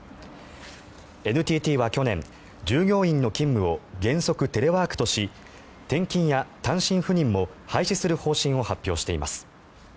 ＮＴＴは去年、従業員の勤務を原則テレワークとし転勤や単身赴任も廃止する方針を発表しています。